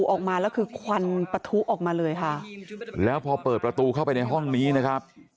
ออกมาแล้วคือควันปะทุออกมาเลยค่ะแล้วพอเปิดประตูเข้าไปในห้องนี้นะครับ